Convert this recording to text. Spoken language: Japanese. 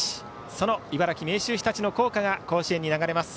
その茨城・明秀日立の校歌が甲子園に流れます。